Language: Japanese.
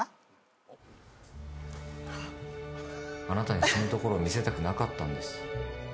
「あなたに死ぬところを見せたくなかったんです」